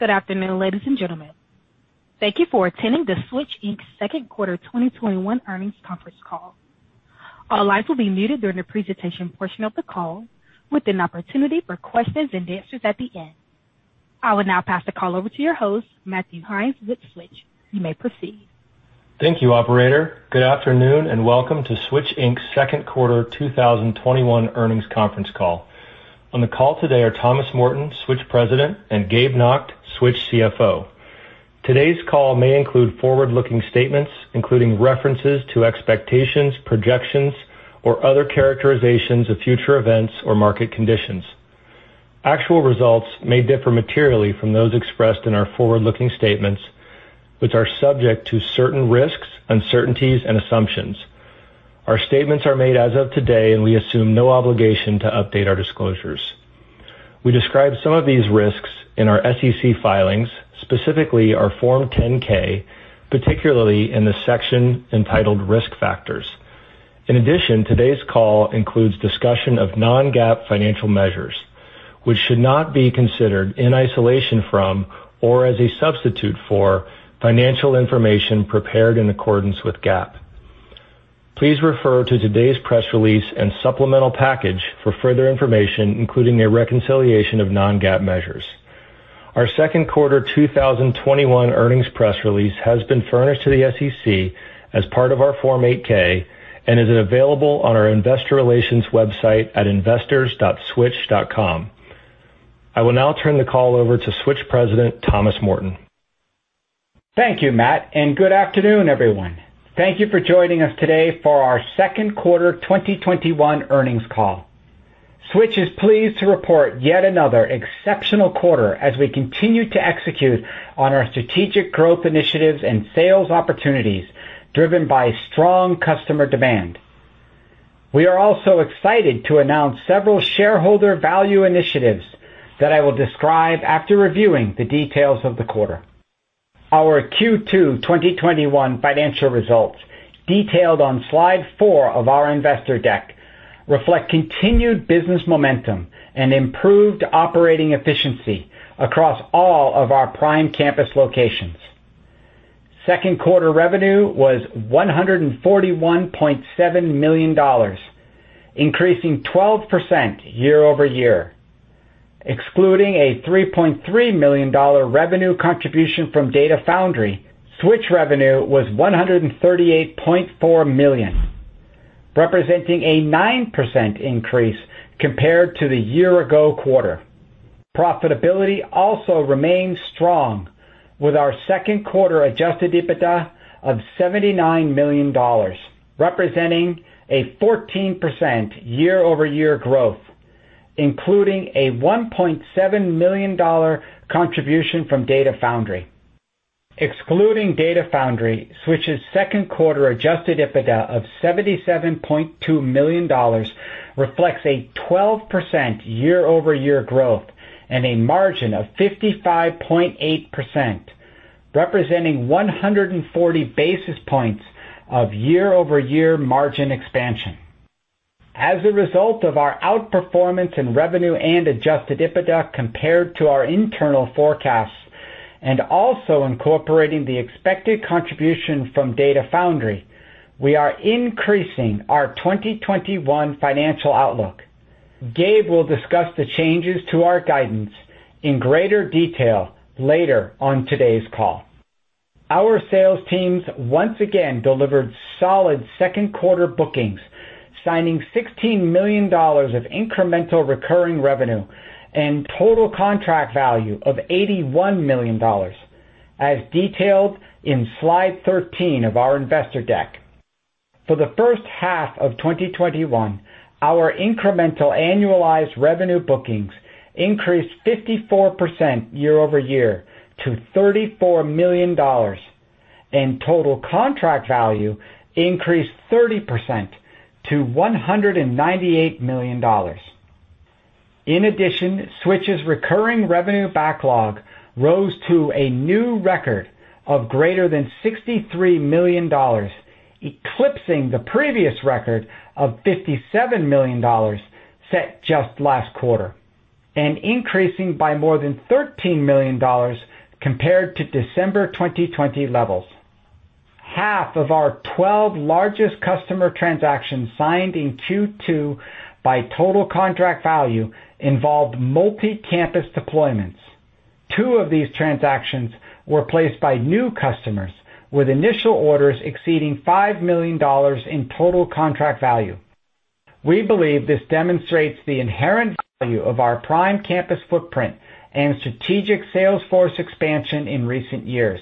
Good afternoon, ladies and gentlemen. Thank you for attending the Switch, Inc.'s second quarter 2021 earnings conference call. All lines will be muted during the presentation portion of the call, with an opportunity for questions and answers at the end. I will now pass the call over to your host, Matthew Heinz with Switch. You may proceed. Thank you, operator. Good afternoon, and welcome to Switch, Inc.'s second quarter 2021 earnings conference call. On the call today are Thomas Morton, Switch President, and Gabe Nacht, Switch CFO. Today's call may include forward-looking statements, including references to expectations, projections, or other characterizations of future events or market conditions. Actual results may differ materially from those expressed in our forward-looking statements, which are subject to certain risks, uncertainties, and assumptions. Our statements are made as of today, and we assume no obligation to update our disclosures. We describe some of these risks in our SEC filings, specifically our Form 10-K, particularly in the section entitled Risk Factors. In addition, today's call includes discussion of non-GAAP financial measures, which should not be considered in isolation from or as a substitute for financial information prepared in accordance with GAAP. Please refer to today's press release and supplemental package for further information, including a reconciliation of non-GAAP measures. Our second quarter 2021 earnings press release has been furnished to the SEC as part of our Form 8-K and is available on our investor relations website at investors.switch.com. I will now turn the call over to Switch President, Thomas Morton. Thank you, Matt, and good afternoon, everyone. Thank you for joining us today for our second quarter 2021 earnings call. Switch is pleased to report yet another exceptional quarter as we continue to execute on our strategic growth initiatives and sales opportunities driven by strong customer demand. We are also excited to announce several shareholder value initiatives that I will describe after reviewing the details of the quarter. Our Q2 2021 financial results, detailed on slide four of our investor deck, reflect continued business momentum and improved operating efficiency across all of our Prime Campus locations. Second quarter revenue was $141.7 million, increasing 12% year-over-year. Excluding a $3.3 million revenue contribution from Data Foundry, Switch revenue was $138.4 million, representing a 9% increase compared to the year-ago quarter. Profitability also remains strong, with our second quarter adjusted EBITDA of $79 million, representing a 14% year-over-year growth, including a $1.7 million contribution from Data Foundry. Excluding Data Foundry, Switch's second quarter adjusted EBITDA of $77.2 million reflects a 12% year-over-year growth and a margin of 55.8%, representing 140 basis points of year-over-year margin expansion. As a result of our outperformance in revenue and adjusted EBITDA compared to our internal forecasts, and also incorporating the expected contribution from Data Foundry, we are increasing our 2021 financial outlook. Gabe will discuss the changes to our guidance in greater detail later on today's call. Our sales teams once again delivered solid second quarter bookings, signing $16 million of incremental recurring revenue and total contract value of $81 million, as detailed in slide 13 of our investor deck. For the first half of 2021, our incremental annualized revenue bookings increased 54% year-over-year to $34 million, and total contract value increased 30% to $198 million. In addition, Switch's recurring revenue backlog rose to a new record of greater than $63 million, eclipsing the previous record of $57 million set just last quarter, and increasing by more than $13 million compared to December 2020 levels. Half of our 12 largest customer transactions signed in Q2 by total contract value involved multi-campus deployments. Two of these transactions were placed by new customers, with initial orders exceeding $5 million in total contract value. We believe this demonstrates the inherent value of our Prime Campus footprint and strategic sales force expansion in recent years.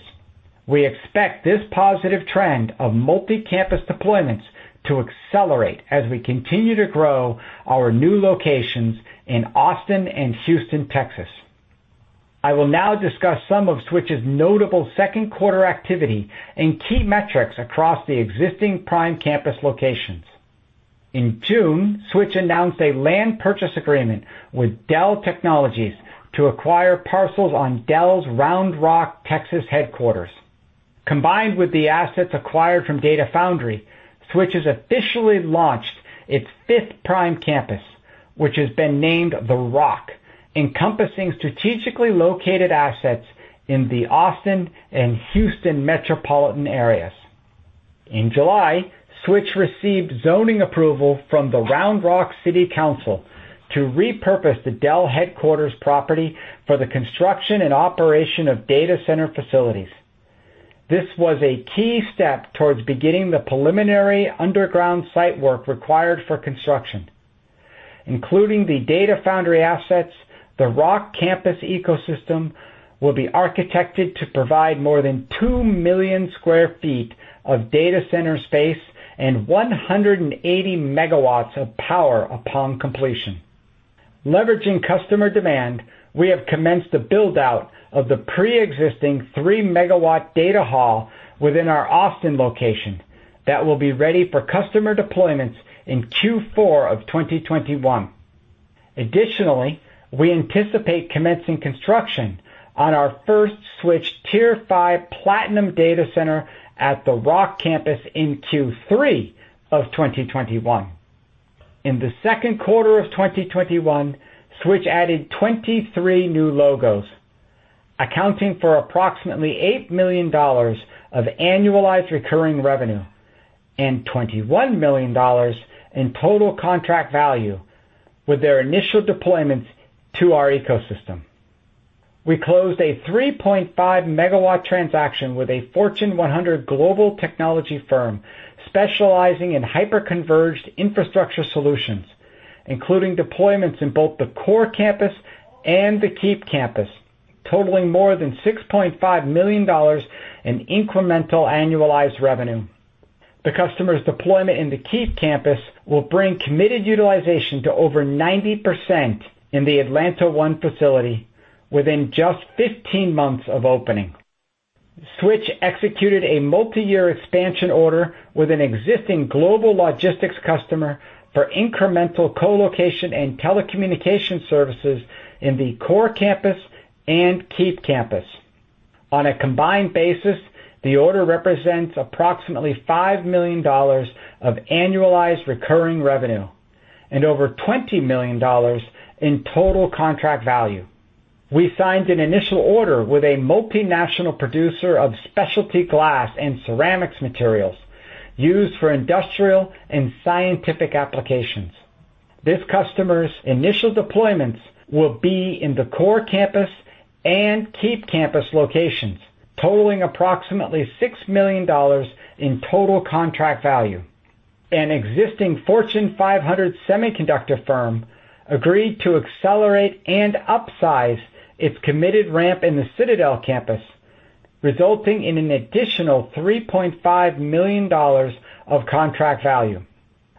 We expect this positive trend of multi-campus deployments to accelerate as we continue to grow our new locations in Austin and Houston, Texas. I will now discuss some of Switch's notable second quarter activity and key metrics across the existing Prime Campus locations. In June, Switch announced a land purchase agreement with Dell Technologies to acquire parcels on Dell's Round Rock, Texas headquarters. Combined with the assets acquired from Data Foundry, Switch has officially launched its fifth Prime campus, which has been named The Rock, encompassing strategically located assets in the Austin and Houston metropolitan areas. In July, Switch received zoning approval from the Round Rock City Council to repurpose the Dell headquarters property for the construction and operation of data center facilities. This was a key step towards beginning the preliminary underground site work required for construction. Including the Data Foundry assets, The Rock campus ecosystem will be architected to provide more than 2 million square feet of data center space and 180 megawatts of power upon completion. Leveraging customer demand, we have commenced the build-out of the preexisting three-megawatt data hall within our Austin location that will be ready for customer deployments in Q4 of 2021. Additionally, we anticipate commencing construction on our first Switch Tier 5 Platinum data center at The Rock campus in Q3 of 2021. In the second quarter of 2021, Switch added 23 new logos, accounting for approximately $8 million of annualized recurring revenue and $21 million in total contract value with their initial deployments to our ecosystem. We closed a 3.5-megawatt transaction with a Fortune 100 global technology firm specializing in hyperconverged infrastructure solutions, including deployments in both the Core Campus and the Keep Campus, totaling more than $6.5 million in incremental annualized revenue. The customer's deployment in the Keep Campus will bring committed utilization to over 90% in the Atlanta 1 facility within just 15 months of opening. Switch executed a multiyear expansion order with an existing global logistics customer for incremental colocation and telecommunication services in the Core Campus and Keep Campus. On a combined basis, the order represents approximately $5 million of annualized recurring revenue and over $20 million in total contract value. We signed an initial order with a multinational producer of specialty glass and ceramics materials used for industrial and scientific applications. This customer's initial deployments will be in the Core Campus and Keep Campus locations, totaling approximately $6 million in total contract value. An existing Fortune 500 semiconductor firm agreed to accelerate and upsize its committed ramp in the Citadel Campus, resulting in an additional $3.5 million of contract value.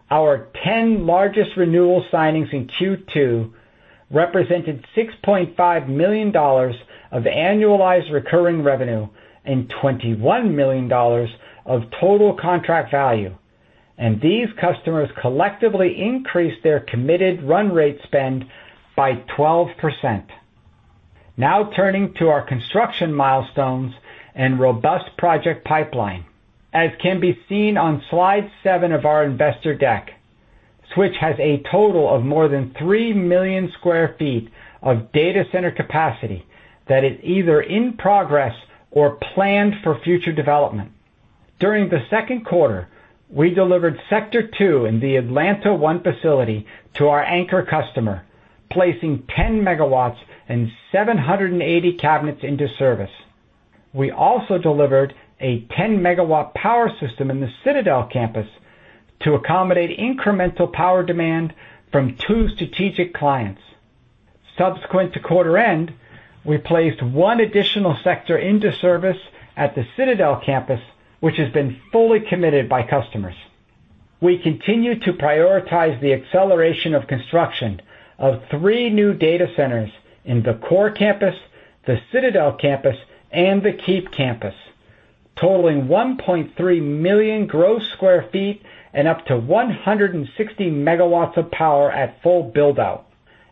Our 10 largest renewal signings in Q2 represented $6.5 million of annualized recurring revenue and $21 million of total contract value, and these customers collectively increased their committed run rate spend by 12%. Now turning to our construction milestones and robust project pipeline. As can be seen on slide seven of our investor deck, Switch has a total of more than 3 million square feet of data center capacity that is either in progress or planned for future development. During the second quarter, we delivered Sector two in the Atlanta 1 facility to our anchor customer, placing 10 megawatts and 780 cabinets into service. We also delivered a 10-megawatt power system in the Citadel Campus to accommodate incremental power demand from two strategic clients. Subsequent to quarter end, we placed one additional sector into service at the Citadel Campus, which has been fully committed by customers. We continue to prioritize the acceleration of construction of three new data centers in the Core Campus, the Citadel Campus, and the Keep Campus, totaling 1.3 million gross square feet and up to 160 megawatts of power at full build-out.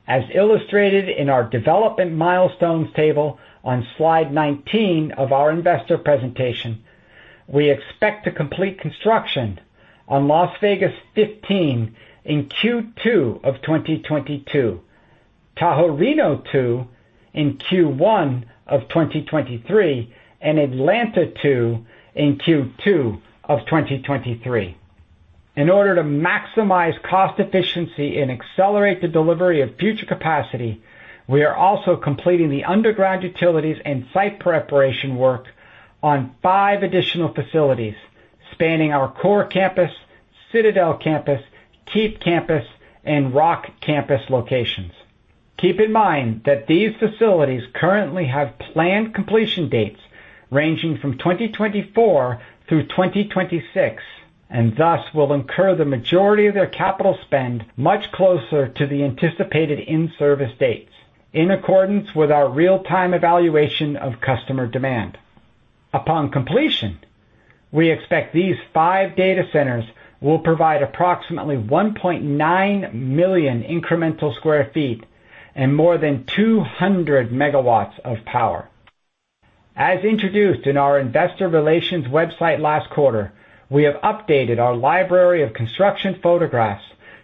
As illustrated in our development milestones table on Slide 19 of our investor presentation, we expect to complete construction on Las Vegas 15 in Q2 of 2022, Tahoe Reno 2 in Q1 of 2023, and Atlanta 2 in Q2 of 2023. In order to maximize cost efficiency and accelerate the delivery of future capacity, we are also completing the underground utilities and site preparation work on five additional facilities, spanning our Core Campus, Citadel Campus, Keep Campus, and Rock Campus locations. Keep in mind that these facilities currently have planned completion dates ranging from 2024 through 2026, and thus will incur the majority of their capital spend much closer to the anticipated in-service dates in accordance with our real-time evaluation of customer demand. Upon completion, we expect these five data centers will provide approximately 1.9 million incremental sq ft and more than 200 MW of power. As introduced in our investor relations website last quarter, we have updated our library of construction photographs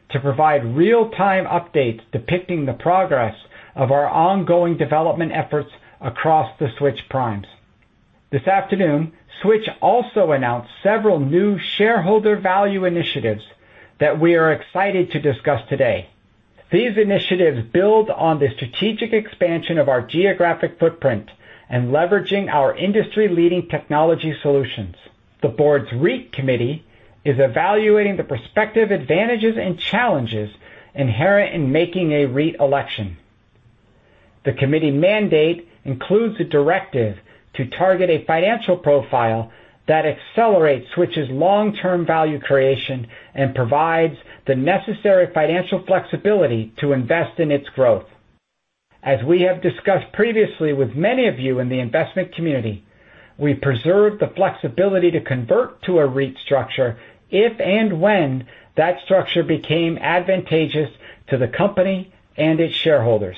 to provide real-time updates depicting the progress of our ongoing development efforts across the Switch Primes. This afternoon, Switch also announced several new shareholder value initiatives that we are excited to discuss today. These initiatives build on the strategic expansion of our geographic footprint and leveraging our industry-leading technology solutions. The board's REIT Committee is evaluating the prospective advantages and challenges inherent in making a REIT election. The committee mandate includes a directive to target a financial profile that accelerates Switch's long-term value creation and provides the necessary financial flexibility to invest in its growth. As we have discussed previously with many of you in the investment community, we preserve the flexibility to convert to a REIT structure if and when that structure became advantageous to the company and its shareholders.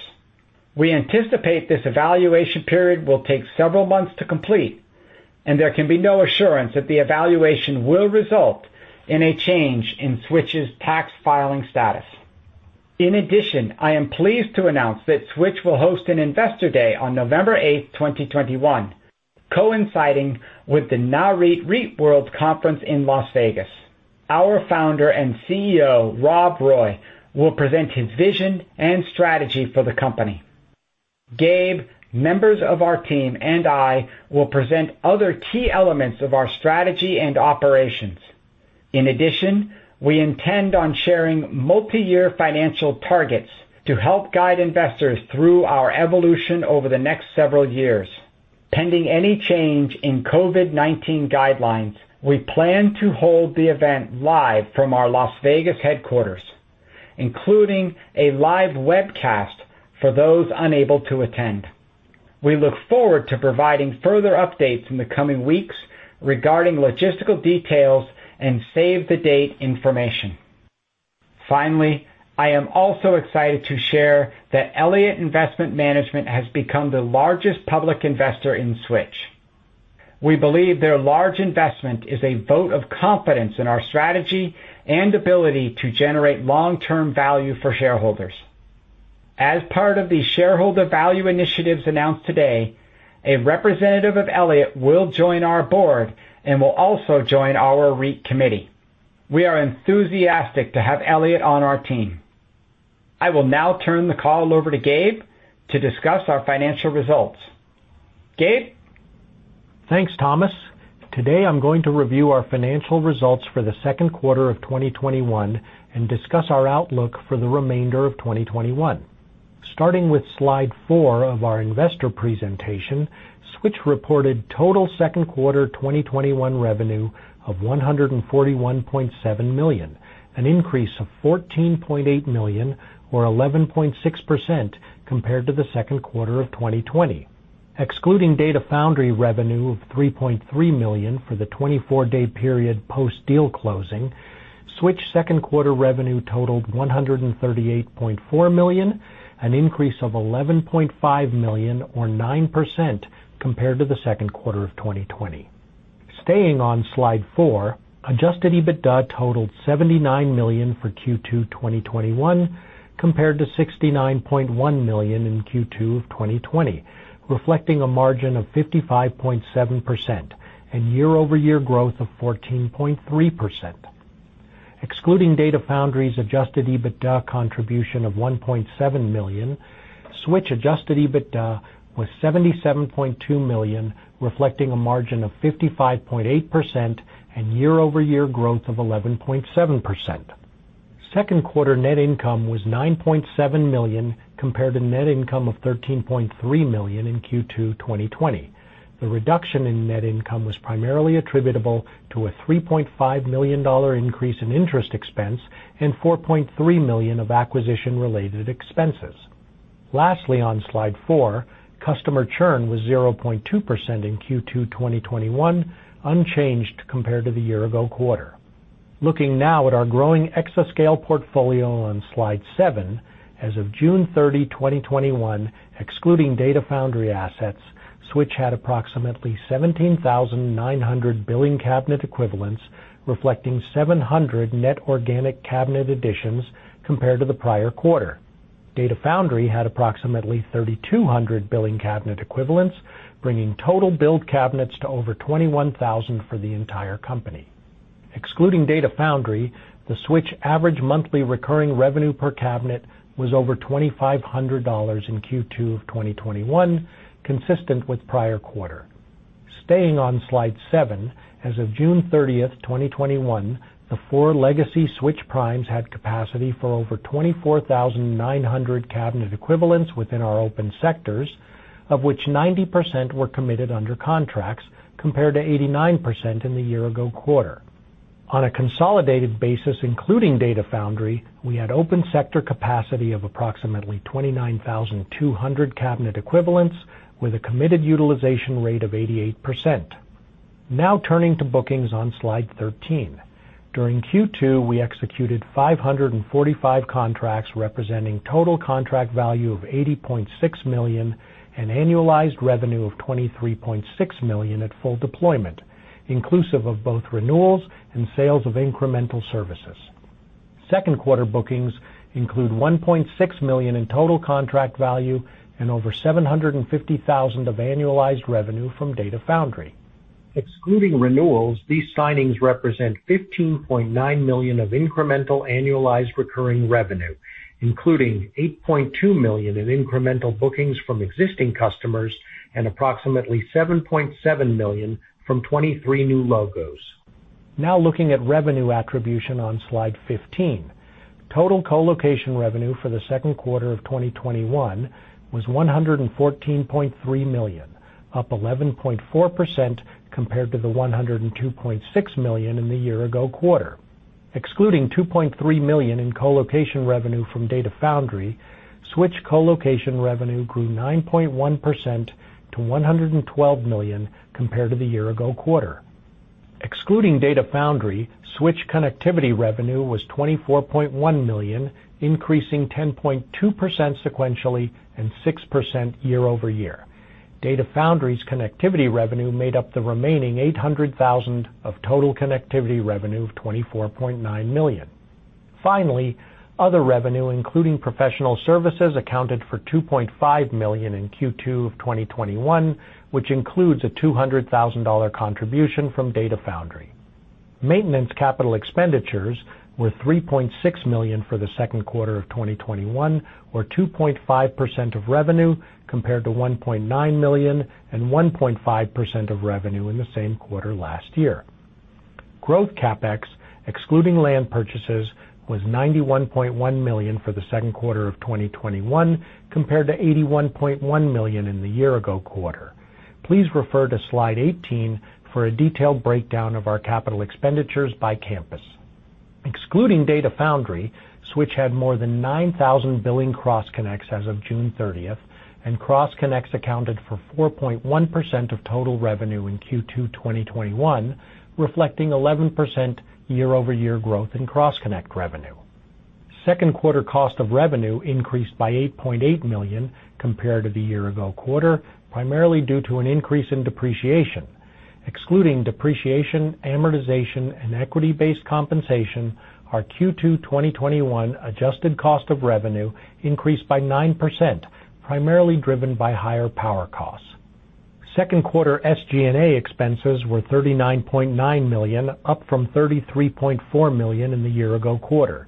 We anticipate this evaluation period will take several months to complete, and there can be no assurance that the evaluation will result in a change in Switch's tax filing status. In addition, I am pleased to announce that Switch will host an investor day on November 8th, 2021, coinciding with the Nareit REITworld Conference in Las Vegas. Our founder and CEO, Rob Roy, will present his vision and strategy for the company. Gabe, members of our team, and I will present other key elements of our strategy and operations. In addition, we intend on sharing multiyear financial targets to help guide investors through our evolution over the next several years. Pending any change in COVID-19 guidelines, we plan to hold the event live from our Las Vegas headquarters, including a live webcast for those unable to attend. We look forward to providing further updates in the coming weeks regarding logistical details and save-the-date information. Finally, I am also excited to share that Elliott Investment Management has become the largest public investor in Switch. We believe their large investment is a vote of confidence in our strategy and ability to generate long-term value for shareholders. As part of the shareholder value initiatives announced today, a representative of Elliott will join our board and will also join our REIT committee. We are enthusiastic to have Elliott on our team. I will now turn the call over to Gabe to discuss our financial results. Gabe? Thanks, Thomas. Today, I'm going to review our financial results for the second quarter of 2021 and discuss our outlook for the remainder of 2021. Starting with slide four of our investor presentation, Switch reported total second quarter 2021 revenue of $141.7 million, an increase of $14.8 million, or 11.6%, compared to the second quarter of 2020. Excluding Data Foundry revenue of $3.3 million for the 24-day period post deal closing, Switch second quarter revenue totaled $138.4 million, an increase of $11.5 million, or 9%, compared to the second quarter of 2020. Staying on slide four, adjusted EBITDA totaled $79 million for Q2 2021 compared to $69.1 million in Q2 of 2020, reflecting a margin of 55.7% and year-over-year growth of 14.3%. Excluding Data Foundry's adjusted EBITDA contribution of $1.7 million, Switch adjusted EBITDA was $77.2 million, reflecting a margin of 55.8% and year-over-year growth of 11.7%. Second quarter net income was $9.7 million, compared to net income of $13.3 million in Q2 2020. The reduction in net income was primarily attributable to a $3.5 million increase in interest expense and $4.3 million of acquisition-related expenses. Lastly, on slide four, customer churn was 0.2% in Q2 2021, unchanged compared to the year-ago quarter. Looking now at our growing Exascale portfolio on slide seven, as of June 30, 2021, excluding Data Foundry assets, Switch had approximately 17,900 billing cabinet equivalents, reflecting 700 net organic cabinet additions compared to the prior quarter. Data Foundry had approximately 3,200 billing cabinet equivalents, bringing total billed cabinets to over 21,000 for the entire company. Excluding Data Foundry, the Switch average monthly recurring revenue per cabinet was over $2,500 in Q2 of 2021, consistent with prior quarter. Staying on slide seven, as of June 30th, 2021, the four legacy Switch Primes had capacity for over 24,900 cabinet equivalents within our open sectors, of which 90% were committed under contracts, compared to 89% in the year-ago quarter. On a consolidated basis, including Data Foundry, we had open sector capacity of approximately 29,200 cabinet equivalents with a committed utilization rate of 88%. Turning to bookings on slide 13. During Q2, we executed 545 contracts representing total contract value of $80.6 million and annualized revenue of $23.6 million at full deployment, inclusive of both renewals and sales of incremental services. Second quarter bookings include $1.6 million in total contract value and over $750,000 of annualized revenue from Data Foundry. Excluding renewals, these signings represent $15.9 million of incremental annualized recurring revenue, including $8.2 million in incremental bookings from existing customers and approximately $7.7 million from 23 new logos. Looking at revenue attribution on slide 15. Total colocation revenue for the second quarter of 2021 was $114.3 million, up 11.4% compared to the $102.6 million in the year-ago quarter. Excluding $2.3 million in colocation revenue from Data Foundry, Switch colocation revenue grew 9.1% to $112 million compared to the year-ago quarter. Excluding Data Foundry, Switch connectivity revenue was $24.1 million, increasing 10.2% sequentially and 6% year-over-year. Data Foundry's connectivity revenue made up the remaining $800,000 of total connectivity revenue of $24.9 million. Other revenue, including professional services, accounted for $2.5 million in Q2 of 2021, which includes a $200,000 contribution from Data Foundry. Maintenance CapEx were $3.6 million for the second quarter of 2021, or 2.5% of revenue compared to $1.9 million and 1.5% of revenue in the same quarter last year. Growth CapEx, excluding land purchases, was $91.1 million for the second quarter of 2021 compared to $81.1 million in the year ago quarter. Please refer to slide 18 for a detailed breakdown of our capital expenditures by campus. Excluding Data Foundry, Switch had more than 9,000 billing cross connects as of June 30th, and cross connects accounted for 4.1% of total revenue in Q2 2021, reflecting 11% year-over-year growth in cross connect revenue. Second quarter cost of revenue increased by $8.8 million compared to the year-ago quarter, primarily due to an increase in depreciation. Excluding depreciation, amortization, and equity-based compensation, our Q2 2021 adjusted cost of revenue increased by 9%, primarily driven by higher power costs. Second quarter SG&A expenses were $39.9 million, up from $33.4 million in the year ago quarter.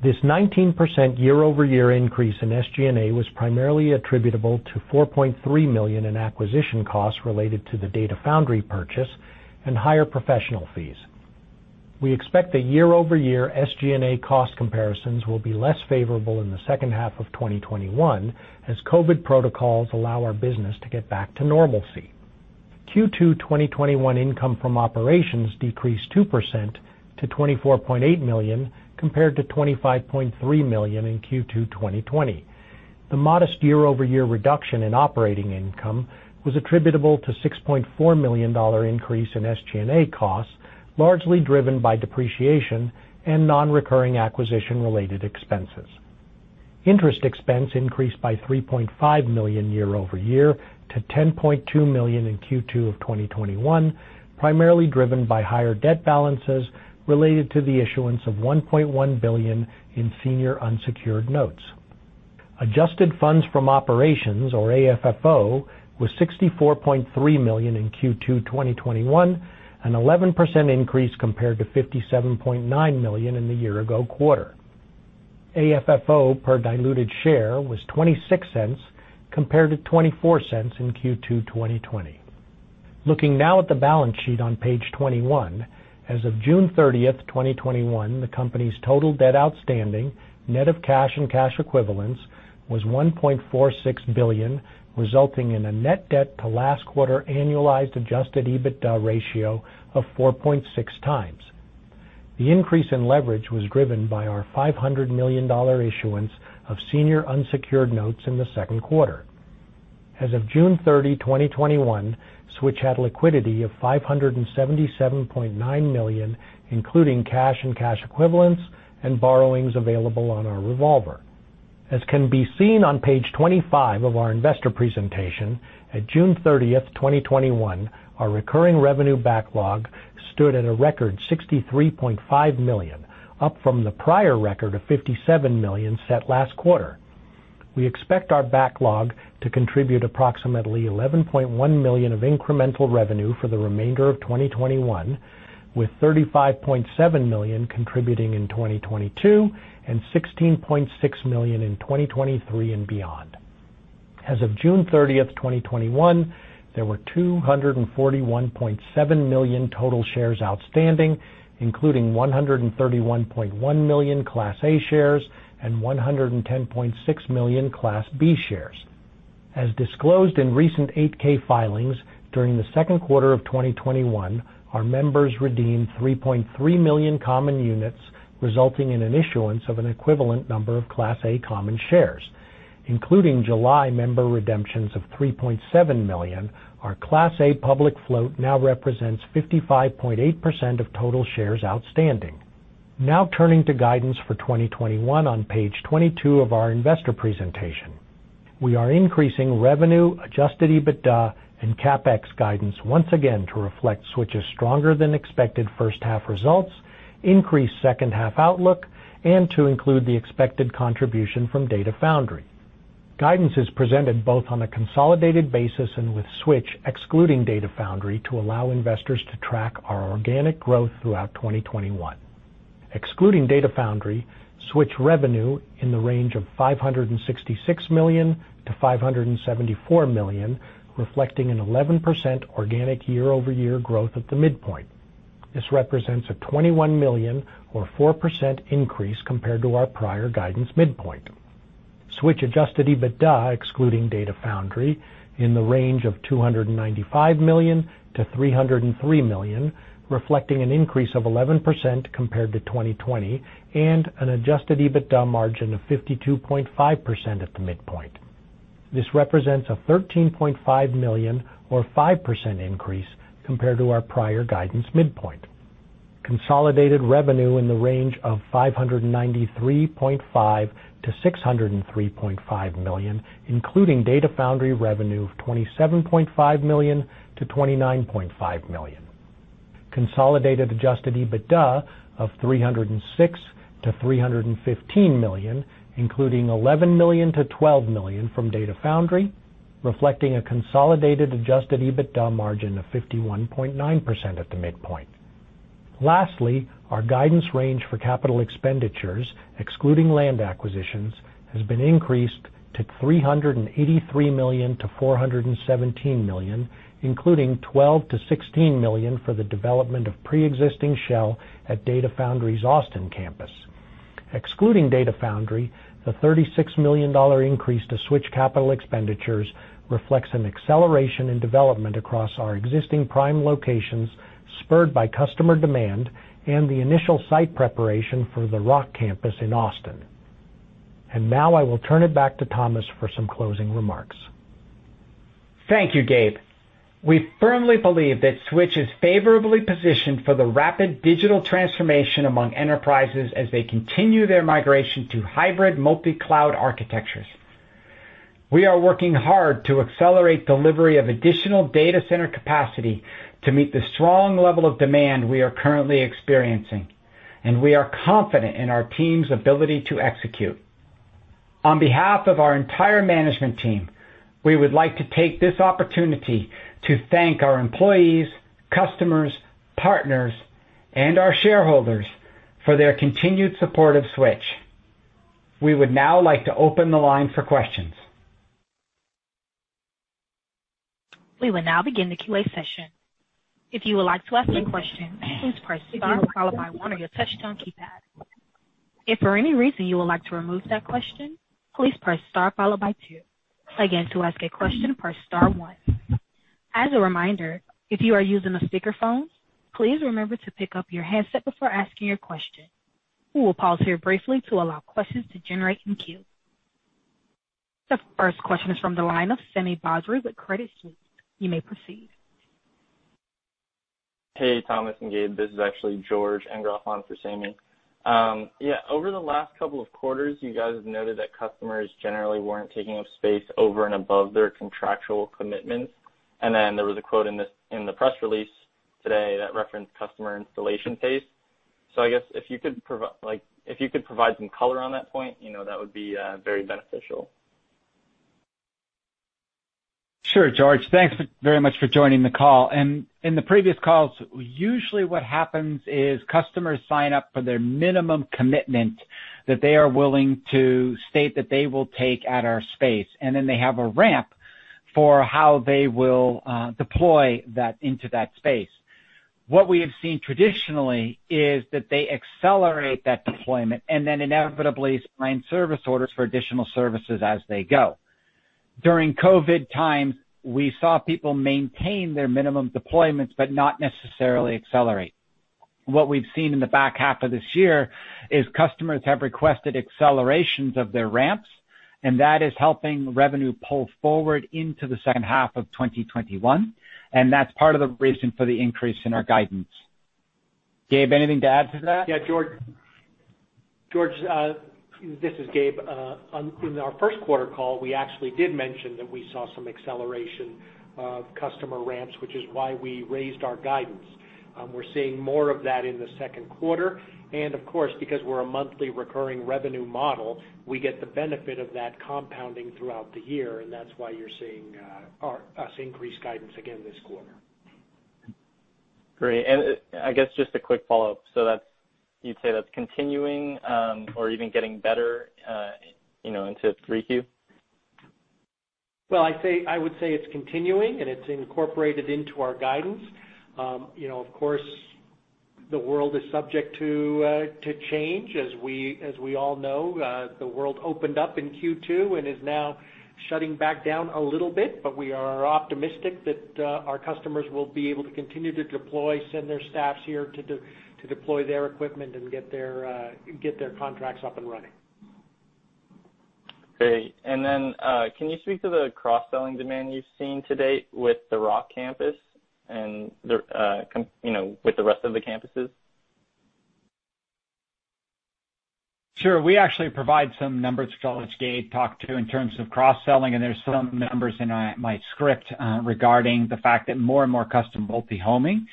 This 19% year-over-year increase in SG&A was primarily attributable to $4.3 million in acquisition costs related to the Data Foundry purchase and higher professional fees. We expect the year-over-year SG&A cost comparisons will be less favorable in the second half of 2021 as COVID protocols allow our business to get back to normalcy. Q2 2021 income from operations decreased 2% to $24.8 million compared to $25.3 million in Q2 2020. The modest year-over-year reduction in operating income was attributable to $6.4 million increase in SG&A costs, largely driven by depreciation and non-recurring acquisition related expenses. Interest expense increased by $3.5 million year-over-year to $10.2 million in Q2 of 2021, primarily driven by higher debt balances related to the issuance of $1.1 billion in senior unsecured notes. Adjusted funds from operations, or AFFO, was $64.3 million in Q2 2021, an 11% increase compared to $57.9 million in the year ago quarter. AFFO per diluted share was $0.26 compared to $0.24 in Q2 2020. Looking now at the balance sheet on page 21, as of June 30th, 2021, the company's total debt outstanding, net of cash and cash equivalents, was $1.46 billion, resulting in a net debt to last quarter annualized adjusted EBITDA ratio of 4.6 times. The increase in leverage was driven by our $500 million issuance of senior unsecured notes in the second quarter. As of June 30, 2021, Switch had liquidity of $577.9 million, including cash and cash equivalents and borrowings available on our revolver. As can be seen on page 25 of our investor presentation, at June 30th, 2021, our recurring revenue backlog stood at a record $63.5 million, up from the prior record of $57 million set last quarter. We expect our backlog to contribute approximately $11.1 million of incremental revenue for the remainder of 2021, with $35.7 million contributing in 2022 and $16.6 million in 2023 and beyond. As of June 30th, 2021, there were 241.7 million total shares outstanding, including 131.1 million Class A shares and 110.6 million Class B shares. As disclosed in recent 8-K filings, during the second quarter of 2021, our members redeemed 3.3 million common units, resulting in an issuance of an equivalent number of Class A common shares. Including July member redemptions of 3.7 million, our Class A public float now represents 55.8% of total shares outstanding. Now, turning to guidance for 2021 on page 22 of our investor presentation. We are increasing revenue, adjusted EBITDA, and CapEx guidance once again to reflect Switch's stronger than expected first half results, increased second half outlook, and to include the expected contribution from Data Foundry. Guidance is presented both on a consolidated basis and with Switch excluding Data Foundry to allow investors to track our organic growth throughout 2021. Excluding Data Foundry, Switch revenue in the range of $566 million-$574 million, reflecting an 11% organic year-over-year growth at the midpoint. This represents a $21 million or 4% increase compared to our prior guidance midpoint. Switch adjusted EBITDA, excluding Data Foundry, in the range of $295 million-$303 million, reflecting an increase of 11% compared to 2020 and an adjusted EBITDA margin of 52.5% at the midpoint. This represents a $13.5 million or 5% increase compared to our prior guidance midpoint. Consolidated revenue in the range of $593.5 million-$603.5 million, including Data Foundry revenue of $27.5 million-$29.5 million. Consolidated adjusted EBITDA of $306 million-$315 million, including $11 million-$12 million from Data Foundry, reflecting a consolidated adjusted EBITDA margin of 51.9% at the midpoint. Lastly, our guidance range for capital expenditures, excluding land acquisitions, has been increased to $383 million-$417 million, including $12 million-$16 million for the development of preexisting shell at Data Foundry's Austin campus. Excluding Data Foundry, the $36 million increase to Switch capital expenditures reflects an acceleration in development across our existing prime locations, spurred by customer demand and the initial site preparation for the Rock campus in Austin. Now I will turn it back to Thomas for some closing remarks. Thank you, Gabe. We firmly believe that Switch is favorably positioned for the rapid digital transformation among enterprises as they continue their migration to hybrid multi-cloud architectures. We are working hard to accelerate delivery of additional data center capacity to meet the strong level of demand we are currently experiencing, and we are confident in our team's ability to execute. On behalf of our entire management team, we would like to take this opportunity to thank our employees, customers, partners, and our shareholders for their continued support of Switch. We would now like to open the line for questions. We will now begin the QA session. If you would like to ask a question, please press star followed by one on your touchtone keypad. If for any reason you would like to remove that question, please press star followed by two. Again, to ask a question, press star one. As a reminder, if you are using a speakerphone, please remember to pick up your handset before asking your question. We will pause here briefly to allow questions to generate in queue. The first question is from the line of Sami Badri with Credit Suisse. You may proceed. Hey, Thomas and Gabe. This is actually George Engroff on for Sami. Over the last couple of quarters, you guys have noted that customers generally weren't taking up space over and above their contractual commitments, and then there was a quote in the press release today that referenced customer installation pace. If you could provide some color on that point, that would be very beneficial. Sure, George. Thanks very much for joining the call. In the previous calls, usually what happens is customers sign up for their minimum commitment that they are willing to state that they will take at our space, and then they have a ramp for how they will deploy that into that space. What we have seen traditionally is that they accelerate that deployment and then inevitably sign service orders for additional services as they go. During COVID times, we saw people maintain their minimum deployments but not necessarily accelerate. What we've seen in the back half of this year is customers have requested accelerations of their ramps, and that is helping revenue pull forward into the second half of 2021, and that's part of the reason for the increase in our guidance. Gabe, anything to add to that? Yeah, George. This is Gabe. In our first quarter call, we actually did mention that we saw some acceleration of customer ramps, which is why we raised our guidance. We're seeing more of that in the second quarter. Of course, because we're a monthly recurring revenue model, we get the benefit of that compounding throughout the year, and that's why you're seeing us increase guidance again this quarter. Great. Just a quick follow-up. You'd say that's continuing or even getting better into 3Q? Well, I would say it's continuing, and it's incorporated into our guidance. Of course. The world is subject to change. As we all know, the world opened up in Q2 and is now shutting back down a little bit, but we are optimistic that our customers will be able to continue to deploy, send their staffs here to deploy their equipment and get their contracts up and running. Great. Can you speak to the cross-selling demand you've seen to date with The Rock campus and with the rest of the campuses? Sure. We actually provide some numbers, which Gabe talked to in terms of cross-selling, and there's some numbers in my script regarding the fact that more and more customers are multi-homing.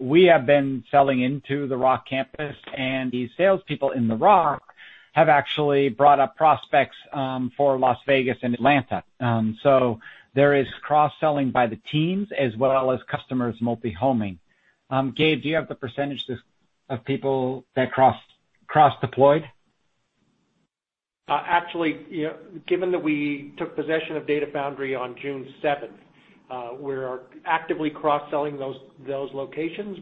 We have been selling into The Rock campus, and the salespeople in The Rock have actually brought up prospects for Las Vegas and Atlanta. There is cross-selling by the teams as well as customers multi-homing. Gabe, do you have the % of people that cross-deployed? Actually, given that we took possession of Data Foundry on June 7th, we are actively cross-selling those locations.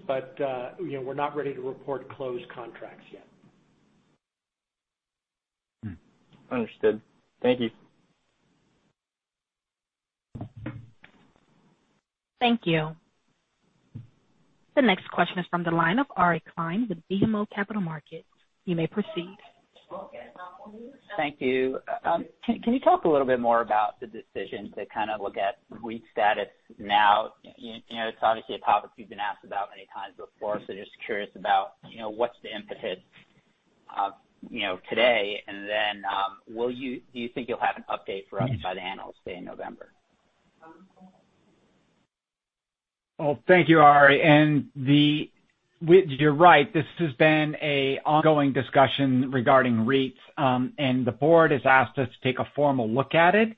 We're not ready to report closed contracts yet. Understood. Thank you. Thank you. The next question is from the line of Ari Klein with BMO Capital Markets. You may proceed. Thank you. Can you talk a little bit more about the decision to look at REIT status now? It's obviously a topic you've been asked about many times before, just curious about what's the impetus today, and then do you think you'll have an update for us by the Analyst Day in November? Well, thank you, Ari. You're right. This has been an ongoing discussion regarding REITs. The board has asked us to take a formal look at it.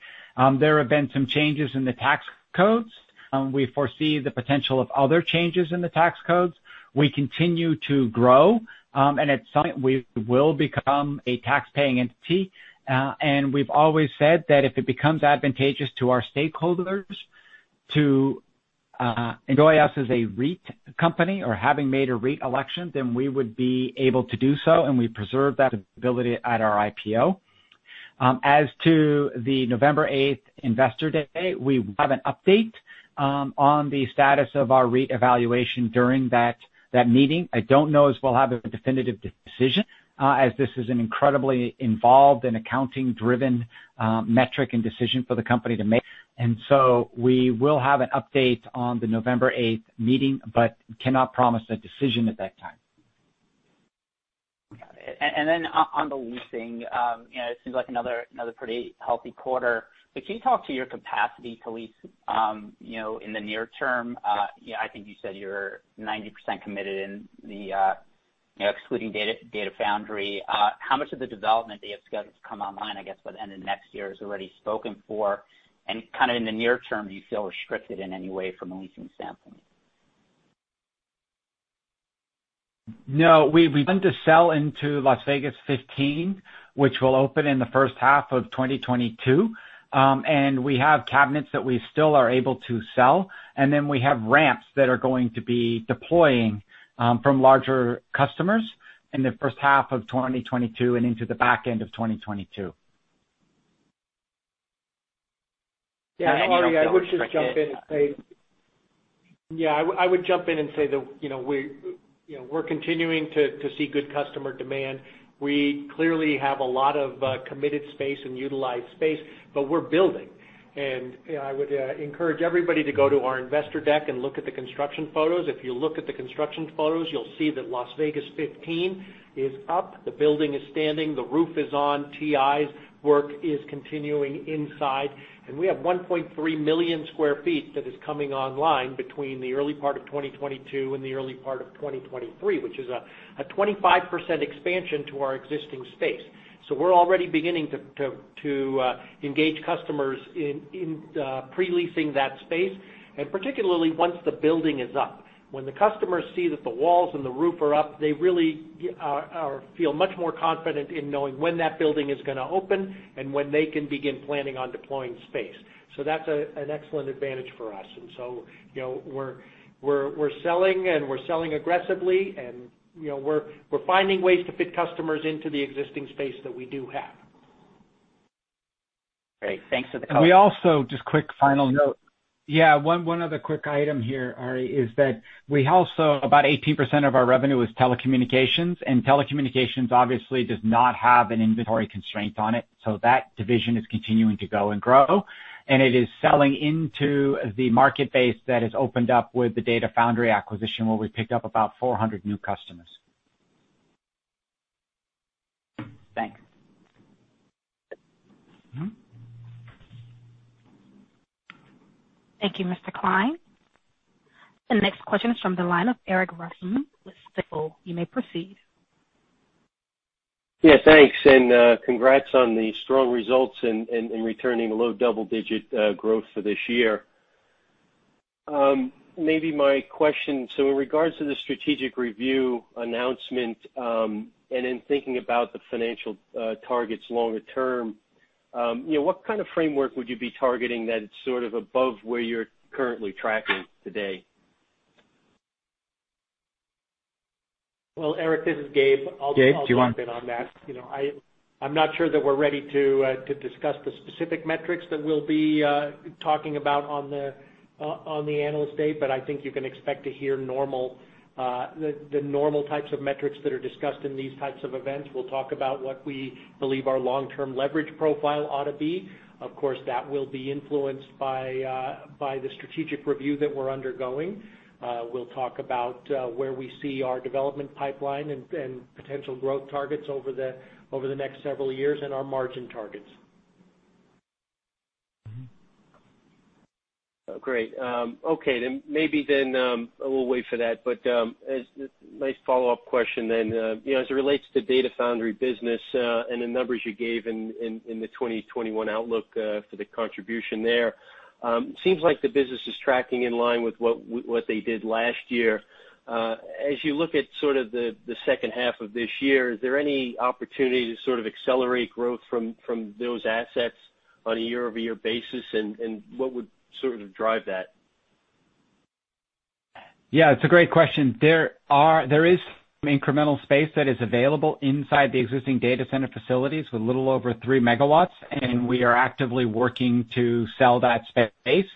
There have been some changes in the tax codes. We foresee the potential of other changes in the tax codes. We continue to grow, and at some point, we will become a tax-paying entity. We've always said that if it becomes advantageous to our stakeholders to enjoy us as a REIT company or having made a REIT election, then we would be able to do so, and we preserve that ability at our IPO. As to the November 8th investor day, we will have an update on the status of our REIT evaluation during that meeting. I don't know if we'll have a definitive decision, as this is an incredibly involved and accounting-driven metric and decision for the company to make. We will have an update on the November 8th meeting but cannot promise a decision at that time. Got it. On the leasing, it seems like another pretty healthy quarter. Can you talk to your capacity to lease in the near term? I think you said you're 90% committed excluding Data Foundry. How much of the development do you expect to come online, by the end of next year is already spoken for? In the near term, do you feel restricted in any way from a leasing standpoint? No, we've begun to sell into NAP-15, which will open in the first half of 2022. We have cabinets that we still are able to sell, and then we have ramps that are going to be deploying from larger customers in the first half of 2022 and into the back end of 2022. Yeah, Ari, I would just jump in and say that we're continuing to see good customer demand. We clearly have a lot of committed space and utilized space, but we're building. I would encourage everybody to go to our investor deck and look at the construction photos. If you look at the construction photos, you'll see that NAP-15 is up. The building is standing, the roof is on. TI work is continuing inside, and we have 1.3 million sq ft that is coming online between the early part of 2022 and the early part of 2023, which is a 25% expansion to our existing space. We're already beginning to engage customers in pre-leasing that space, and particularly once the building is up. When the customers see that the walls and the roof are up, they really feel much more confident in knowing when that building is going to open and when they can begin planning on deploying space. That's an excellent advantage for us. We're selling, and we're selling aggressively, and we're finding ways to fit customers into the existing space that we do have. Great. Thanks for the color. Just quick final note. One other quick item here, Ari, is that we also, about 18% of our revenue is telecommunications obviously does not have an inventory constraint on it. That division is continuing to go and grow, and it is selling into the market base that has opened up with the Data Foundry acquisition, where we picked up about 400 new customers. Thanks. Thank you, Mr. Klein. The next question is from the line of Erik Rasmussen with Stifel. You may proceed. Thanks, and congrats on the strong results and returning low double-digit growth for this year. Maybe my question, in regards to the strategic review announcement, and in thinking about the financial targets longer term. What kind of framework would you be targeting that is sort of above where you're currently tracking today? Well, Erik, this is Gabe. Gabe, do you want- I'll jump in on that. I'm not sure that we're ready to discuss the specific metrics that we'll be talking about on the analyst date, but I think you can expect to hear the normal types of metrics that are discussed in these types of events. We'll talk about what we believe our long-term leverage profile ought to be. Of course, that will be influenced by the strategic review that we're undergoing. We'll talk about where we see our development pipeline and potential growth targets over the next several years, and our margin targets. Great. Okay, then maybe then we'll wait for that. Nice follow-up question then as it relates to Data Foundry business and the numbers you gave in the 2021 outlook for the contribution there. Seems like the business is tracking in line with what they did last year. As you look at sort of the second half of this year, is there any opportunity to sort of accelerate growth from those assets on a year-over-year basis, and what would sort of drive that? Yeah, it's a great question. There is incremental space that is available inside the existing data center facilities with a little over 3 megawatts, and we are actively working to sell that space.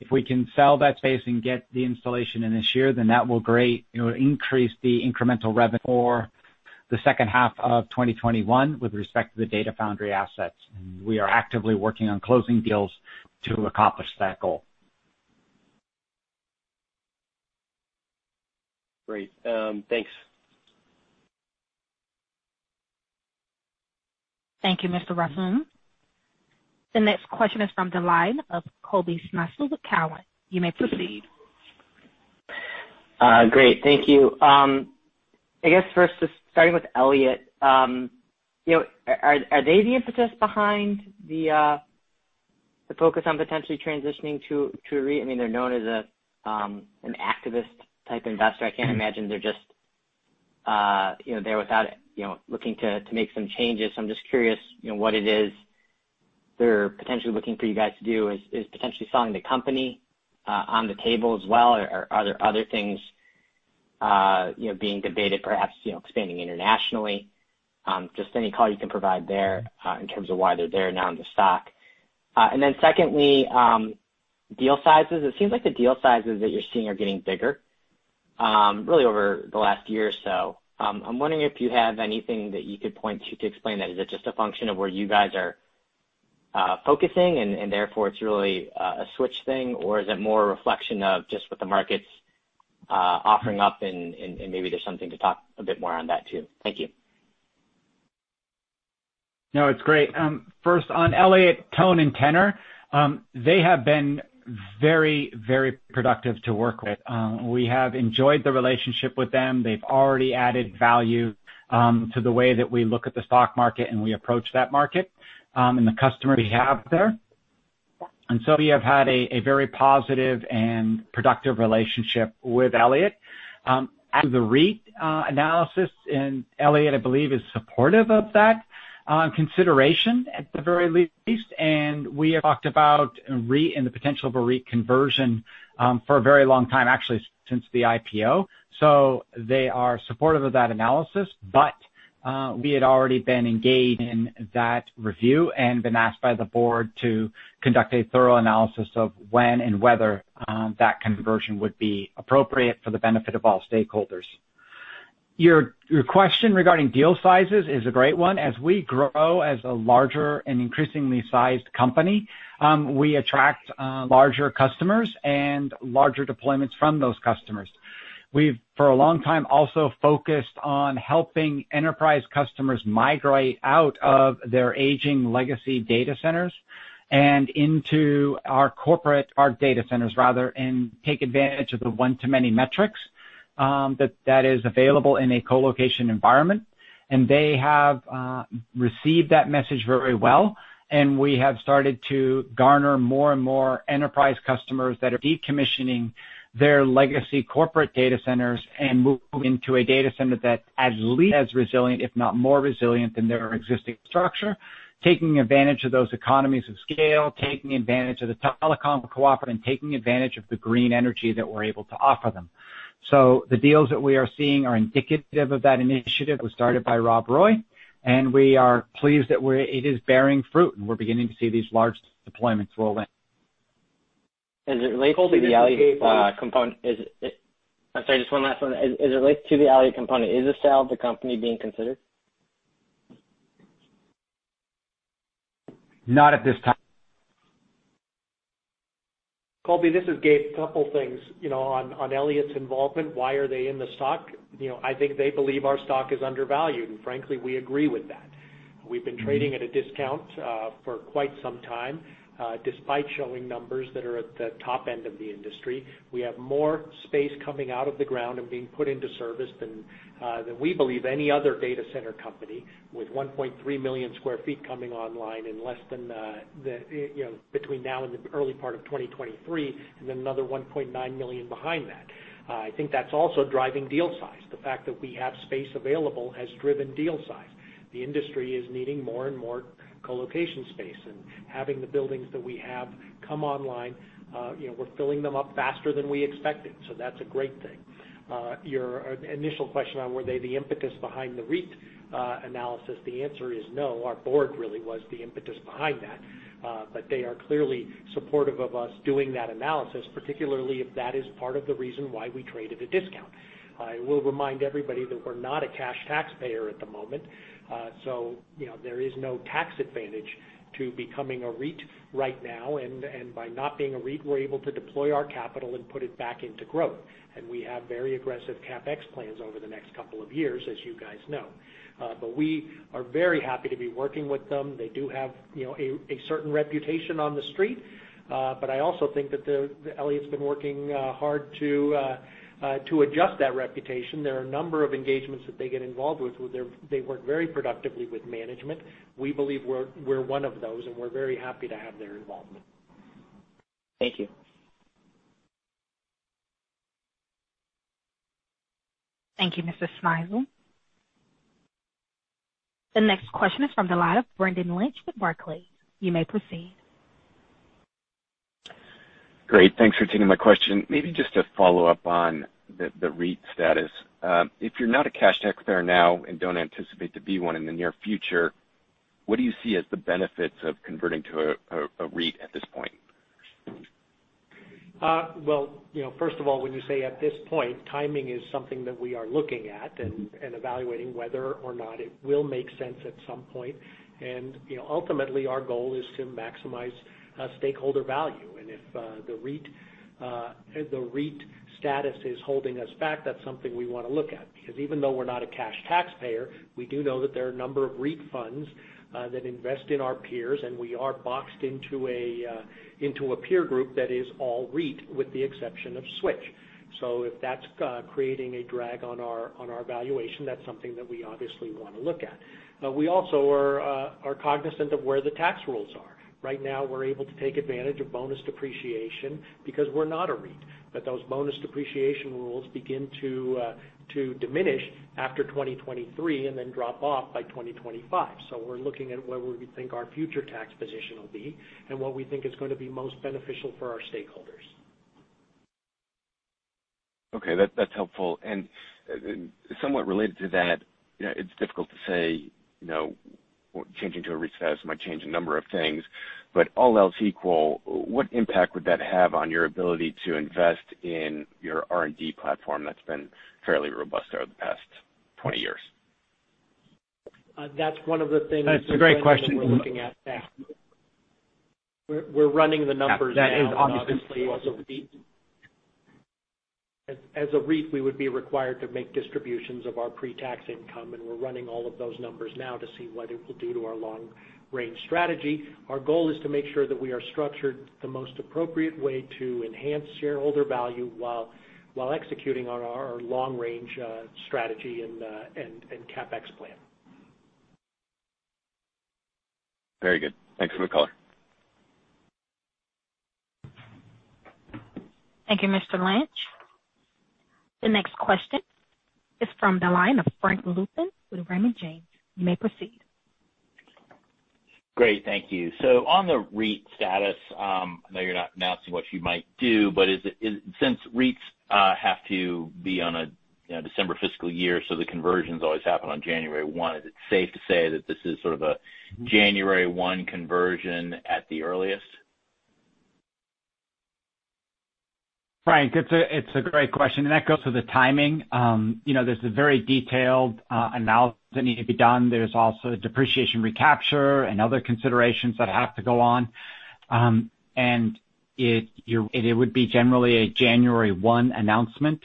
If we can sell that space and get the installation in this year, then that will increase the incremental revenue for the second half of 2021 with respect to the Data Foundry assets. We are actively working on closing deals to accomplish that goal. Great. Thanks. Thank you, Mr. Rasmussen. The next question is from the line of Colby Synesael with Cowen. You may proceed. Great. Thank you. First, just starting with Elliott. Are they the impetus behind the focus on potentially transitioning to a REIT? I mean, they're known as an activist type investor. I can't imagine they're just there without looking to make some changes. I'm just curious what it is they're potentially looking for you guys to do. Is potentially selling the company on the table as well, or are there other things being debated, perhaps expanding internationally? Just any color you can provide there in terms of why they're there now in the stock. Secondly, deal sizes. It seems like the deal sizes that you're seeing are getting bigger really over the last year or so. I'm wondering if you have anything that you could point to explain that. Is it just a function of where you guys are focusing and therefore it's really a Switch thing, or is it more a reflection of just what the market's offering up, and maybe there's something to talk a bit more on that too? Thank you. No, it's great. First on Elliott, tone, and tenor. They have been very productive to work with. We have enjoyed the relationship with them. They've already added value to the way that we look at the stock market and we approach that market, and the customers we have there. We have had a very positive and productive relationship with Elliott. As the REIT analysis, Elliott, I believe, is supportive of that consideration, at the very least. We have talked about a REIT and the potential of a REIT conversion for a very long time, actually since the IPO. They are supportive of that analysis. We had already been engaged in that review and been asked by the board to conduct a thorough analysis of when and whether that conversion would be appropriate for the benefit of all stakeholders. Your question regarding deal sizes is a great one. As we grow as a larger and increasingly sized company, we attract larger customers and larger deployments from those customers. We've, for a long time, also focused on helping enterprise customers migrate out of their aging legacy data centers and into our data centers rather, and take advantage of the one to many metrics that is available in a co-location environment. They have received that message very well, and we have started to garner more and more enterprise customers that are decommissioning their legacy corporate data centers and moving to a data center that's at least as resilient, if not more resilient than their existing structure. Taking advantage of those economies of scale, taking advantage of the telecom cooperative, and taking advantage of the green energy that we're able to offer them. The deals that we are seeing are indicative of that initiative that was started by Rob Roy, and we are pleased that it is bearing fruit and we're beginning to see these large deployments roll in. Is it related to the Elliott component? I'm sorry, just one last one. Is it related to the Elliott component? Is a sale of the company being considered? Not at this time. Colby, this is Gabe. A couple of things on Elliott's involvement. Why are they in the stock? I think they believe our stock is undervalued, and frankly, we agree with that. We've been trading at a discount for quite some time despite showing numbers that are at the top end of the industry. We have more space coming out of the ground and being put into service than we believe any other data center company, with 1.3 million sq ft coming online between now and the early part of 2023, and then another 1.9 million behind that. I think that's also driving deal size. The fact that we have space available has driven deal size. The industry is needing more and more colocation space, and having the buildings that we have come online, we're filling them up faster than we expected, so that's a great thing. Your initial question on were they the impetus behind the REIT analysis, the answer is no. Our board really was the impetus behind that. They are clearly supportive of us doing that analysis, particularly if that is part of the reason why we trade at a discount. I will remind everybody that we're not a cash taxpayer at the moment. There is no tax advantage to becoming a REIT right now, and by not being a REIT, we're able to deploy our capital and put it back into growth. We have very aggressive CapEx plans over the next couple of years, as you guys know. We are very happy to be working with them. They do have a certain reputation on the street. I also think that Elliott's been working hard to adjust that reputation. There are a number of engagements that they get involved with, where they work very productively with management. We believe we're one of those, and we're very happy to have their involvement. Thank you. Thank you, Mr. Synesael. The next question is from the line of Brendan Lynch with Barclays. You may proceed. Great. Thanks for taking my question. Maybe just to follow up on the REIT status. If you're not a cash taxpayer now and don't anticipate to be one in the near future, what do you see as the benefits of converting to a REIT at this point? Well, first of all, when you say at this point, timing is something that we are looking at and evaluating whether or not it will make sense at some point. Ultimately, our goal is to maximize stakeholder value. If the REIT status is holding us back, that's something we want to look at. Because even though we're not a cash taxpayer, we do know that there are a number of REIT funds that invest in our peers, and we are boxed into a peer group that is all REIT, with the exception of Switch. If that's creating a drag on our valuation, that's something that we obviously want to look at. We also are cognizant of where the tax rules are. Right now, we're able to take advantage of bonus depreciation because we're not a REIT. Those bonus depreciation rules begin to diminish after 2023 and then drop off by 2025. We're looking at where we think our future tax position will be and what we think is going to be most beneficial for our stakeholders. Okay. That's helpful. Somewhat related to that, it's difficult to say changing to a REIT status might change a number of things, but all else equal, what impact would that have on your ability to invest in your R&D platform that's been fairly robust over the past 20 years? That's one of the things That's a great question. we're looking at now. We're running the numbers now, obviously. That is obviously. As a REIT, we would be required to make distributions of our pre-tax income, and we're running all of those numbers now to see what it will do to our long-range strategy. Our goal is to make sure that we are structured the most appropriate way to enhance shareholder value while executing on our long-range strategy and CapEx plan. Very good. Thanks for the color. Thank you, Mr. Lynch. The next question is from the line of Frank Louthan with Raymond James. You may proceed. Great. Thank you. On the REIT status, I know you're not announcing what you might do, but since REITs have to be on a December fiscal year, so the conversions always happen on January 1, is it safe to say that this is sort of a January 1 conversion at the earliest? Frank, it's a great question, and that goes to the timing. There's a very detailed analysis that needs to be done. There's also depreciation recapture and other considerations that have to go on. It would be generally a January 1 announcement.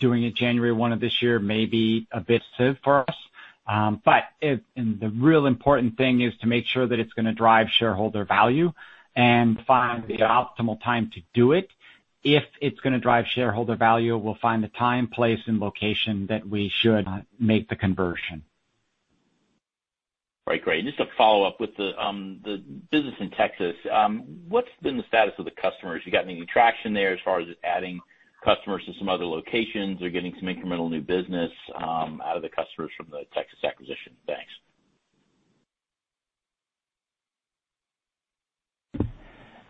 Doing a January 1 of this year may be a bit soon for us. The real important thing is to make sure that it's going to drive shareholder value and find the optimal time to do it. If it's going to drive shareholder value, we'll find the time, place, and location that we should make the conversion. Right. Great. Just to follow up with the business in Texas, what's been the status of the customers? You got any traction there as far as adding customers to some other locations or getting some incremental new business out of the customers from the Texas acquisition? Thanks.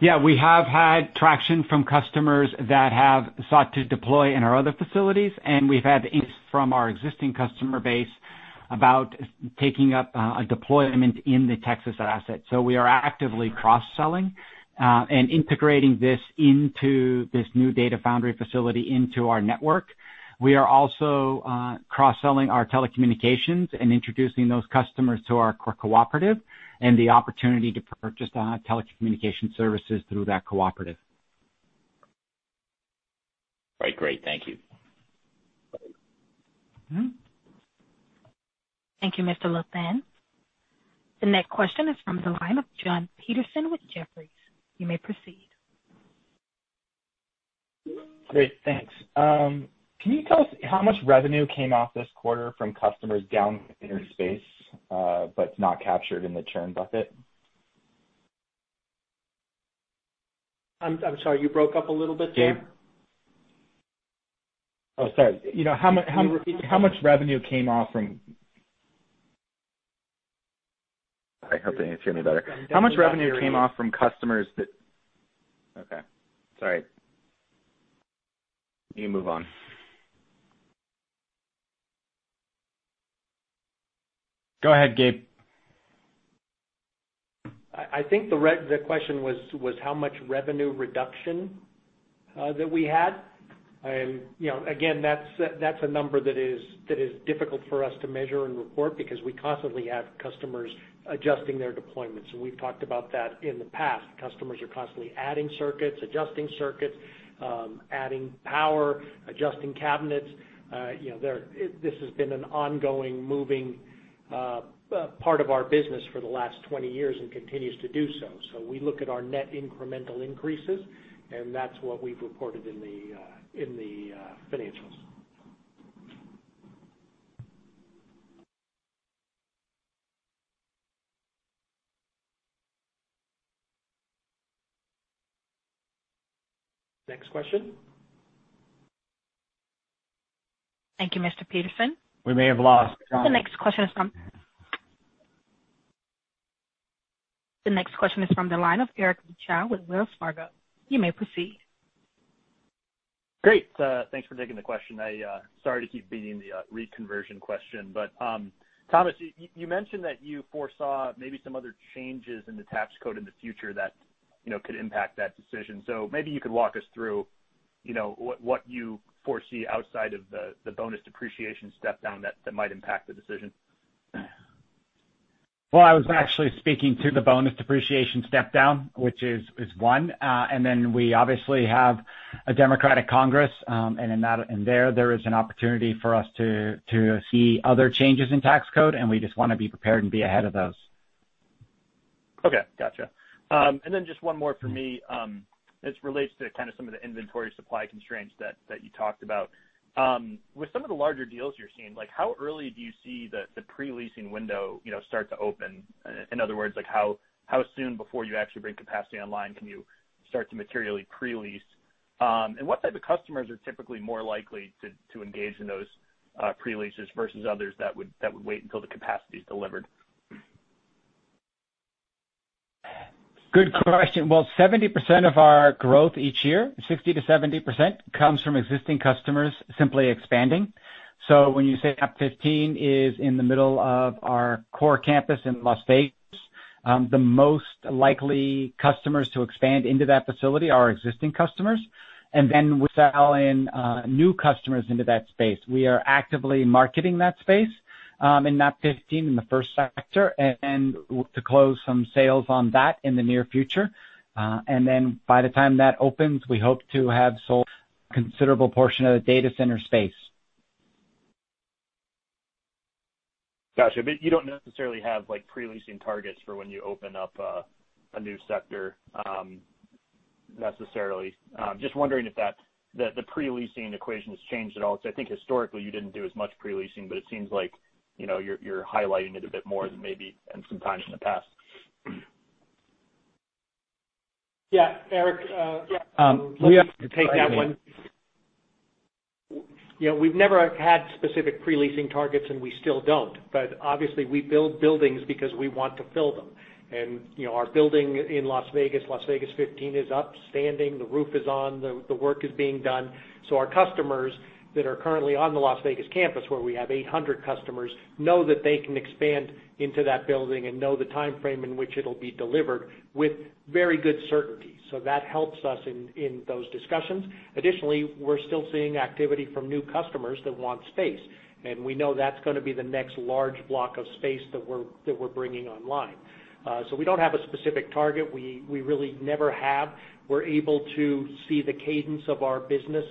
Yeah, we have had traction from customers that have sought to deploy in our other facilities, and we've had interest from our existing customer base about taking up a deployment in the Texas asset. We are actively cross-selling and integrating this into this new Data Foundry facility into our network. We are also cross-selling our telecommunications and introducing those customers to our cooperative and the opportunity to purchase telecommunication services through that cooperative. Right. Great. Thank you. Thank you, Mr. Louthan. The next question is from the line of Jon Petersen with Jefferies. You may proceed. Great. Thanks. Can you tell us how much revenue came off this quarter from customers down in space, but it's not captured in the churn bucket? I'm sorry, you broke up a little bit there. Gabe. Oh, sorry. Can you repeat the question? I hope they can hear me better. How much revenue came off from customers that-- Okay, sorry. You move on. Go ahead, Gabe. I think the question was how much revenue reduction, that we had. That's a number that is difficult for us to measure and report because we constantly have customers adjusting their deployments. We've talked about that in the past. Customers are constantly adding circuits, adjusting circuits, adding power, adjusting cabinets. This has been an ongoing moving part of our business for the last 20 years and continues to do so. We look at our net incremental increases, and that's what we've reported in the financials. Next question. Thank you, Mr. Petersen. We may have lost Jon. The next question is from the line of Eric Luebchow with Wells Fargo. You may proceed. Great. Thanks for taking the question. Sorry to keep beating the REIT conversion question, but, Thomas, you mentioned that you foresaw maybe some other changes in the tax code in the future that could impact that decision. Maybe you could walk us through what you foresee outside of the bonus depreciation step down that might impact the decision. Well, I was actually speaking to the bonus depreciation step down, which is one. We obviously have a Democratic Congress, and there is an opportunity for us to see other changes in tax code, and we just want to be prepared and be ahead of those. Okay. Got you. Just one more for me. This relates to some of the inventory supply constraints that you talked about. With some of the larger deals you're seeing, how early do you see the pre-leasing window start to open? In other words, how soon before you actually bring capacity online can you start to materially pre-lease? What type of customers are typically more likely to engage in those pre-leases versus others that would wait until the capacity is delivered? Good question. Well, 70% of our growth each year, 60%-70%, comes from existing customers simply expanding. When you say NAP-15 is in the middle of our core campus in Las Vegas, the most likely customers to expand into that facility are existing customers. We sell in new customers into that space. We are actively marketing that space, in NAP-15 in the first sector, and to close some sales on that in the near future. By the time that opens, we hope to have sold a considerable portion of the data center space. Got you. You don't necessarily have pre-leasing targets for when you open up a new sector, necessarily. Just wondering if the pre-leasing equation has changed at all. I think historically, you didn't do as much pre-leasing, but it seems like you're highlighting it a bit more than maybe in some times in the past. Eric. Let me take that one. We've never had specific pre-leasing targets, and we still don't. Obviously, we build buildings because we want to fill them. Our building in Las Vegas, Las Vegas 15, is up, standing. The roof is on. The work is being done. Our customers that are currently on the Las Vegas campus, where we have 800 customers, know that they can expand into that building and know the timeframe in which it'll be delivered with very good certainty. That helps us in those discussions. Additionally, we're still seeing activity from new customers that want space, and we know that's going to be the next large block of space that we're bringing online. We don't have a specific target. We really never have. We're able to see the cadence of our business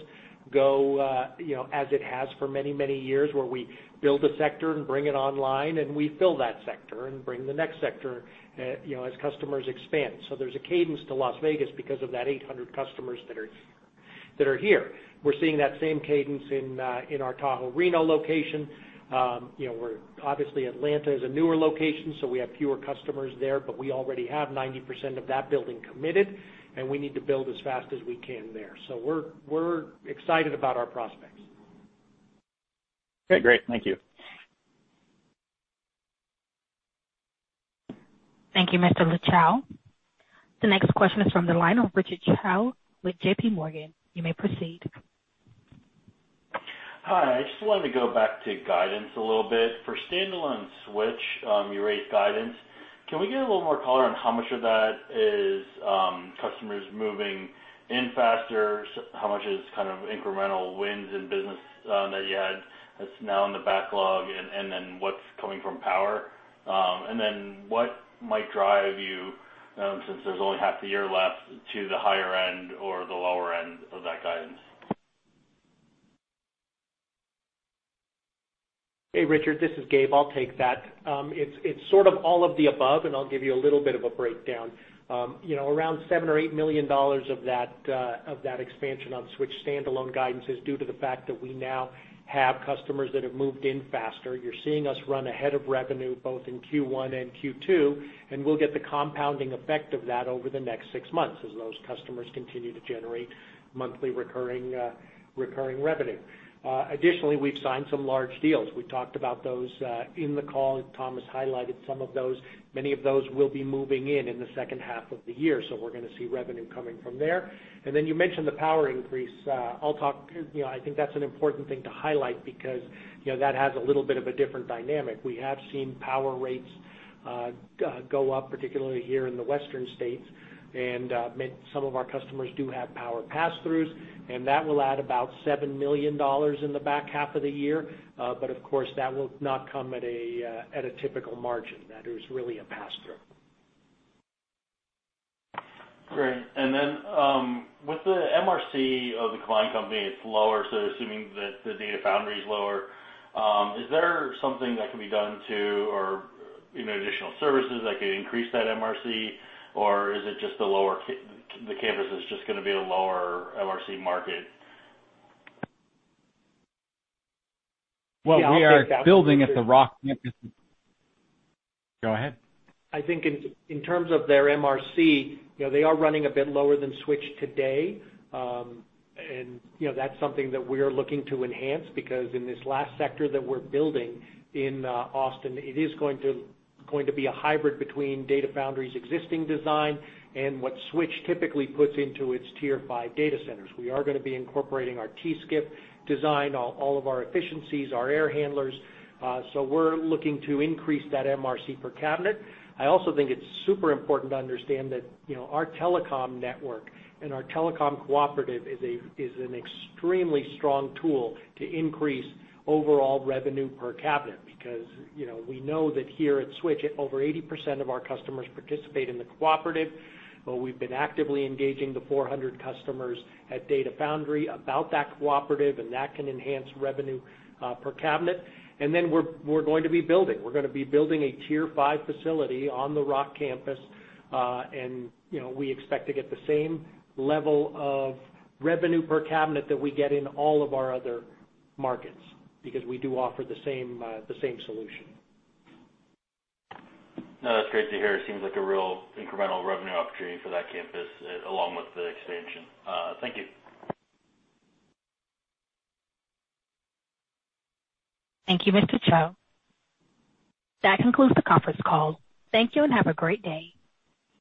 go as it has for many, many years, where we build a sector and bring it online, and we fill that sector and bring the next sector as customers expand. There's a cadence to Las Vegas because of that 800 customers that are here. We're seeing that same cadence in our Tahoe Reno location. Obviously, Atlanta is a newer location, we have fewer customers there, but we already have 90% of that building committed, and we need to build as fast as we can there. We're excited about our prospects. Okay, great. Thank you. Thank you, Mr. Luebchow. The next question is from the line of Richard Choe with JP Morgan. You may proceed. Hi. I just wanted to go back to guidance a little bit. For standalone Switch, you raised guidance. Can we get a little more color on how much of that is customers moving in faster, how much is incremental wins in business that you had that's now in the backlog, and then what's coming from power? Then what might drive you, since there's only half a year left, to the higher end or the lower end of that guidance? Hey, Richard, this is Gabe. I'll take that. It's sort of all of the above, and I'll give you a little bit of a breakdown. Around $7 million or $8 million of that expansion on Switch standalone guidance is due to the fact that we now have customers that have moved in faster. You're seeing us run ahead of revenue both in Q1 and Q2, and we'll get the compounding effect of that over the next six months as those customers continue to generate monthly recurring revenue. Additionally, we've signed some large deals. We talked about those in the call, and Thomas highlighted some of those. Many of those will be moving in the second half of the year. We're going to see revenue coming from there. You mentioned the power increase. That's an important thing to highlight because that has a little bit of a different dynamic. We have seen power rates go up, particularly here in the western states, and some of our customers do have power passthroughs, and that will add about $7 million in the back half of the year. Of course, that will not come at a typical margin. That is really a passthrough. Great. With the MRC of the acquired company, it's lower, assuming that the Data Foundry is lower, is there something that can be done to or additional services that could increase that MRC? Is it just the campus is just going to be a lower MRC market? Well, we are building at the Rock campus. Go ahead. In terms of their MRC, they are running a bit lower than Switch today. That's something that we're looking to enhance because in this last sector that we're building in Austin, it is going to be a hybrid between Data Foundry's existing design and what Switch typically puts into its Tier 5 data centers. We are going to be incorporating our T-SCIF design, all of our efficiencies, our air handlers. We're looking to increase that MRC per cabinet. I also think it's super important to understand that our telecom network and our telecom cooperative is an extremely strong tool to increase overall revenue per cabinet because we know that here at Switch, over 80% of our customers participate in the cooperative, but we've been actively engaging the 400 customers at Data Foundry about that cooperative, and that can enhance revenue per cabinet. We're going to be building a Tier 5 facility on the Rock campus. We expect to get the same level of revenue per cabinet that we get in all of our other markets because we do offer the same solution. No, that's great to hear. It seems like a real incremental revenue opportunity for that campus along with the expansion. Thank you. Thank you, Mr. Choe. That concludes the conference call. Thank you and have a great day.